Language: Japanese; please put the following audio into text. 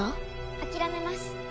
諦めます。